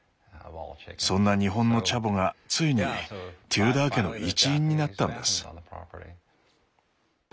そんな日本のチャボがついにテューダー家の一員になったんです。